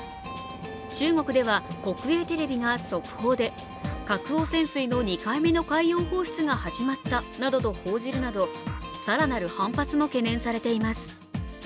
中国では国営テレビが速報で核汚染水の２回目の海洋放出が始まったなどと報じるなど、更なる反発も懸念されています。